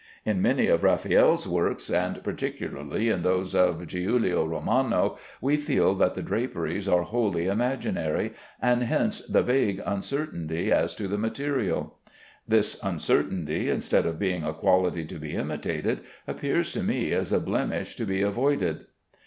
In many of Raffaelle's works, and particularly in those of Giulio Romano, we feel that the draperies are wholly imaginary, and hence the vague uncertainty as to the material. This uncertainty, instead of being a quality to be imitated, appears to me as a blemish to be avoided.